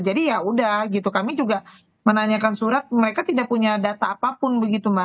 jadi ya udah gitu kami juga menanyakan surat mereka tidak punya data apapun begitu mbak